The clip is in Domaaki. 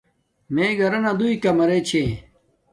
میے گھرانا دوݵ کمرے چھے